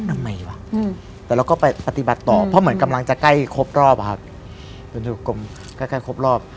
ว่านำไมวะแต่เราก็ไปปฏิบัติต่อเพราะเหมือนกำลังจะใกล้ครบรอบอะครับ